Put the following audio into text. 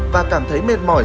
và cảm thấy mệt mỏi